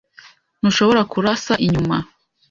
Ntushobora kurasa inyuma.